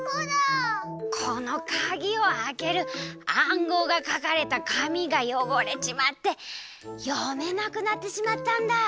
このかぎをあける暗号がかかれたかみがよごれちまってよめなくなってしまったんだ。